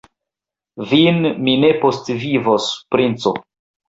Vin mi ne postvivos, princo!